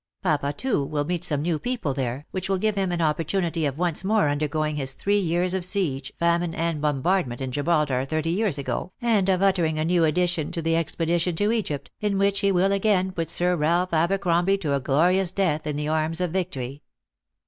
Papa, too, will meet some new people there, which will give him an opportunity of once more undergoing his three years of siege, famine, and bombardment in Gibraltar thirty years ago, and of uttering a new edition to the ex pedition to Egypt, in which he will again put Sir Ralph Abercmmby to a glorious death in the arms of victory.